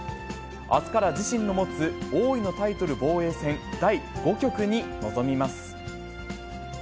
あすから自身の持つ王位のタイトル防衛戦第５局に臨みます。